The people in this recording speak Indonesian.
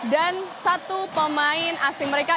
dan satu pemain asing mereka